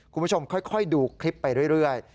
คุณผู้ชมค่อยดูคลิปไปเรื่อย